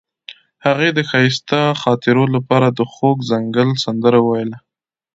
هغې د ښایسته خاطرو لپاره د خوږ ځنګل سندره ویله.